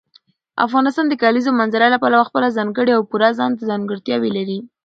افغانستان د کلیزو منظره له پلوه خپله ځانګړې او پوره ځانته ځانګړتیاوې لري.